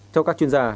theo các chuyên gia